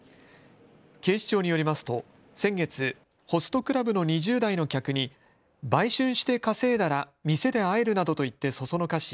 警視庁によりますと先月、ホストクラブの２０代の客に売春して稼いだら店で会えるなどと言って唆し